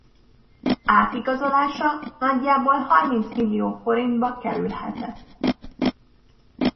Átigazolása nagyjából harminc millió fontba kerülhetett.